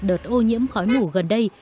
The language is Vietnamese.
đợt ô nhiễm khói mù gần đây